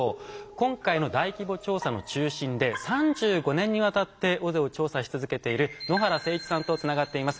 今回の大規模調査の中心で３５年にわたって尾瀬を調査し続けている野原精一さんとつながっています。